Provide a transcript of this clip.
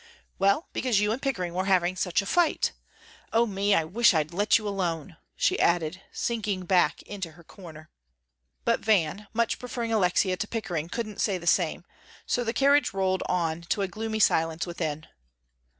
"Well, because you and Pickering were having such a fight. O me, I wish I'd let you alone," she added, sinking back into her corner. But Van, much preferring Alexia to Pickering, couldn't say the same, so the carriage rolled on to a gloomy silence within.